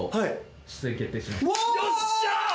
よっしゃ！